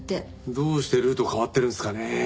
どうしてルート変わってるんですかね？